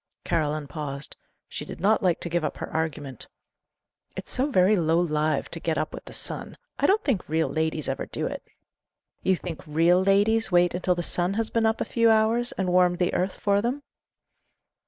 Caroline paused. She did not like to give up her argument. "It's so very low lived to get up with the sun. I don't think real ladies ever do it." "You think 'real ladies' wait until the sun has been up a few hours and warmed the earth for them?"